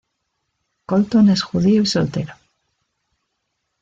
Colton es judío y soltero.